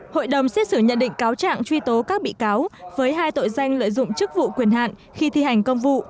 hội đồng xét xử nhận định cáo trạng truy tố các bị cáo với hai tội danh lợi dụng chức vụ quyền hạn khi thi hành công vụ